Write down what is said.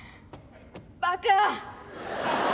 バカ」。